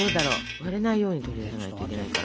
割れないように取り出さないといけないから。